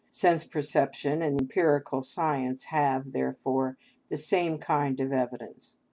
Sense perception and empirical science have, therefore, the same kind of evidence.